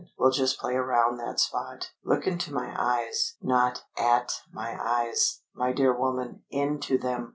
We'll just play around that spot. Look into my eyes. Not at my eyes, my dear woman, into them!